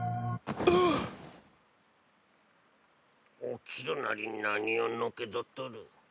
起きるなり何をのけぞっとる？